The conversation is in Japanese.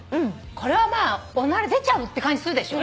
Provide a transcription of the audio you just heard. これはまあおなら出ちゃうって感じするでしょ。